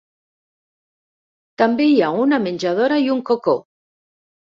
També hi ha una menjadora i un cocó.